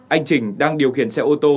anh trình đang điều khiển xe ô tô